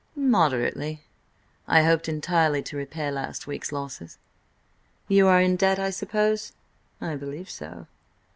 "Moderately. I hoped entirely to repair last week's losses." "You are in debt, I suppose?" "I believe so."